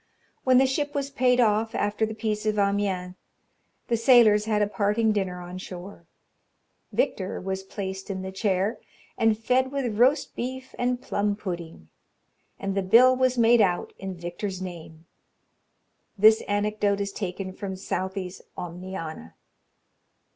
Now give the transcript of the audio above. When the ship was paid off, after the peace of Amiens, the sailors had a parting dinner on shore. Victor was placed in the chair, and fed with roast beef and plum pudding, and the bill was made out in Victor's name. This anecdote is taken from Southey's "Omniana."